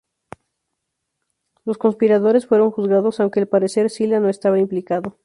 Los conspiradores fueron juzgados, aunque al parecer Sila no estaba implicado.